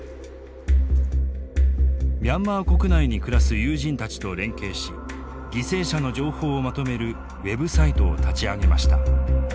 ミャンマー国内に暮らす友人たちと連携し犠牲者の情報をまとめるウェブサイトを立ち上げました。